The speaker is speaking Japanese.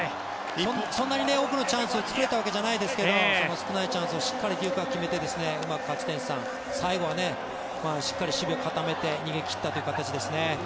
そんなに多くのチャンスを作れたわけじゃないですけど少ないチャンスをしっかりデュークは決めてうまく勝ち点３最後はしっかり守備を固めて逃げ切ったという形ですね。